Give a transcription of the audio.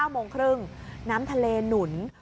๙โมงครึ่งน้ำทะเลหนุน